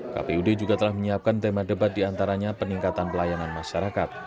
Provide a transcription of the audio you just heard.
kpud juga telah menyiapkan tema debat diantaranya peningkatan pelayanan masyarakat